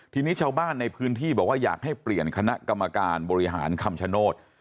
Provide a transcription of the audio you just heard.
ทีนี้ชาวบ้านในพื้นที่บอกว่าอยากให้เปลี่ยนคณะกรรมการบริหารคำชโนธ